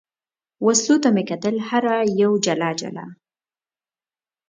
وسلو ته مې کتل، هره یوه یې جلا جلا.